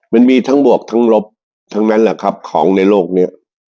มันมีทั้งบวกทั้งลบทั้งนั้นแหละครับของในโลกนี้